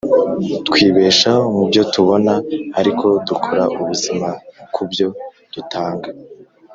twibeshaho mubyo tubona, ariko dukora ubuzima kubyo dutanga.